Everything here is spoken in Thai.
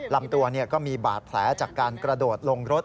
ลำตัวก็มีบาดแผลจากการกระโดดลงรถ